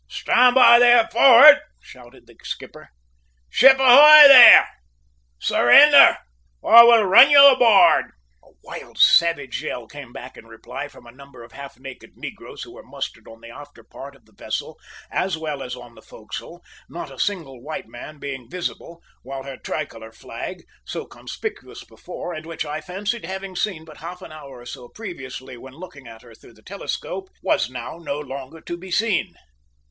"Stand by there, forrad," shouted the skipper. "Ship ahoy there! Surrender, or we'll run you aboard." A wild savage yell came back in reply from a number of half naked negroes who were mustered on the after part of the vessel, as well as on the forecastle, not a single white man being visible, while her Tricolour flag so conspicuous before, and which I fancied having seen but half an hour or so previously when looking at her through the telescope was now no longer to be seen.